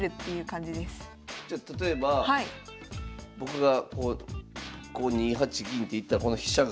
じゃあ例えば僕がこう２八銀って行ったらこの飛車が？